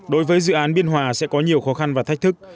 đối với dự án biên hòa sẽ có nhiều khó khăn và thách thức